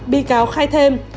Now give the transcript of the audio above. bị cáo khai thêm